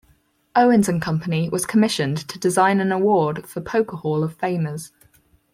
Owens and Company was commissioned to design an award for Poker Hall of Famers.